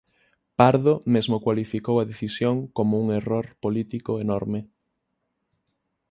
Pardo mesmo cualificou a decisión como "un error político enorme".